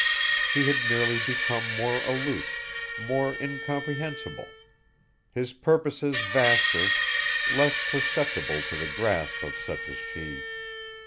He had merely become more aloof, more incomprehensible; his purposes vaster, less susceptible to the grasp of such as she.